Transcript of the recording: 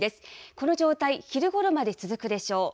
この状態、昼頃まで続くでしょう。